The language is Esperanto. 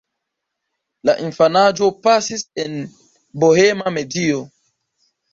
La infanaĝo pasis en bohema medio.